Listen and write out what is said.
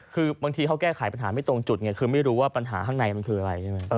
คือบางทีเขาแก้ไขปัญหาไม่ตรงจุดไงคือไม่รู้ว่าปัญหาข้างในมันคืออะไรใช่ไหม